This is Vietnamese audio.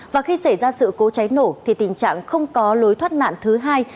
và khi xảy ra sự cố cháy nổ thì tình trạng không có lối thoát nạn thứ hai